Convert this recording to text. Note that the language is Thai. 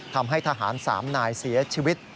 ทำให้ทหาร๓นายเสียชีวิต